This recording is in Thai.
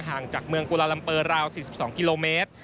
ห่างจากเมืองกุลาลัมเปอร์ราว๔๒กิโลเมตร